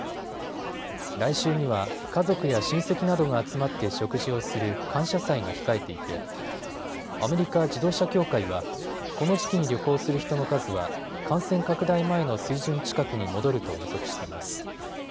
来週には家族や親戚などが集まって食事をする感謝祭が控えていてアメリカ自動車協会はこの時期に旅行する人の数は感染拡大前の水準近くに戻ると予測しています。